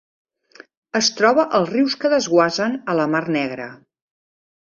Es troba als rius que desguassen a la Mar Negra.